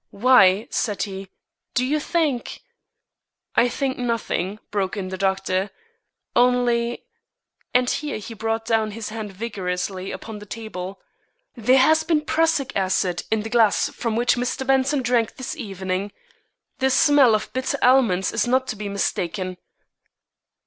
"Why," said he, "do you think " "I think nothing," broke in the doctor; "only" and here he brought down his hand vigorously upon the table "there has been prussic acid in the glass from which Mr. Benson drank this evening. The smell of bitter almonds is not to be mistaken."